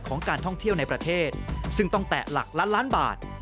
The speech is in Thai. การท่องเที่ยวในประเทศซึ่งต้องแตะหลักล้านล้านบาท